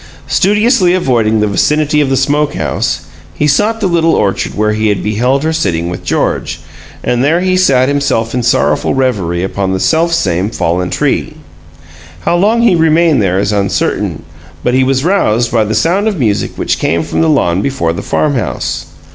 Studiously avoiding the vicinity of the smokehouse, he sought the little orchard where he had beheld her sitting with George; and there he sat himself in sorrowful reverie upon the selfsame fallen tree. How long he remained there is uncertain, but he was roused by the sound of music which came from the lawn before the farmhouse.